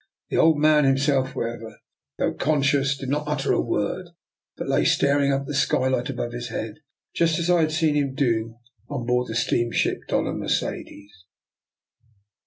The old man himself, however, though conscious, did not utter a word, but lay staring up at the sky light above his head, just as I had seen him do on board the steamship Dofia Mercedes.